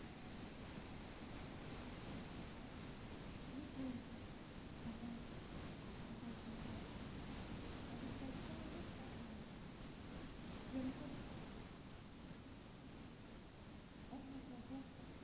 ２５年歌っていて私が一番うれしかったのは喜びも悲しみも音楽を通して皆さんと共有できた。